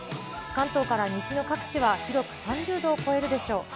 関東から西の各地は広く３０度を超えるでしょう。